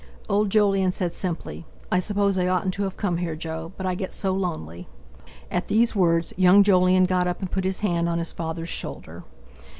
Old Jolyon said simply: "I suppose I oughtn't to have come here, Jo; but I get so lonely!" At these words young Jolyon got up and put his hand on his father's shoulder.